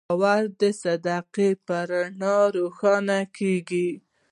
باور د صداقت په رڼا روښانه کېږي.